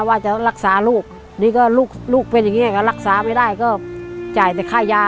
วก็รักษาไม่ได้ก็จ่ายแต่ค่ายา